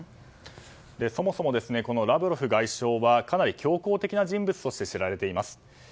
そもそもラブロフ外相はかなり強硬的な人物として知られています。